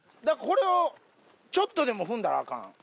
だからこれをちょっとでも踏んだらアカン？